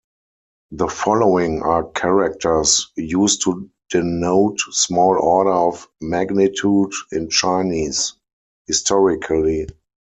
The following are characters used to denote small order of magnitude in Chinese historically.